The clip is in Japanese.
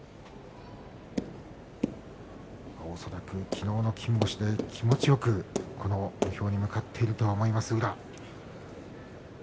昨日の金星で気持ちよく土俵に向かっていると思います宇良。